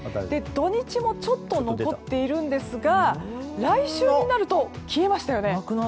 土日もちょっと残っているんですが来週になると消えましたよね。